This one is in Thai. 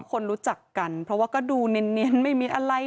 คนรู้จักกันเพราะว่าก็ดูเนียนไม่มีอะไร